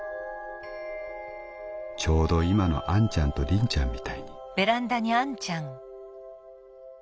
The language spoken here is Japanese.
「ちょうど今のあんちゃんとりんちゃんみたいに」。